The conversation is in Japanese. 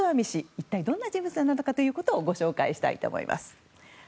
一体、どんな人物なのかをご紹介したいと思います。